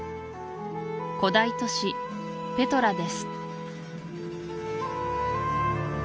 古代都市ペトラです